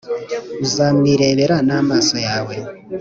uzamwirebera n’amaso yawe.